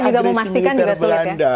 juga sulit ya kapan agresi militer belanda